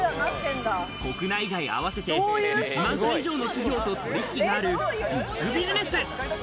国内外合わせて１万社以上の企業と取引があるビッグビジネス。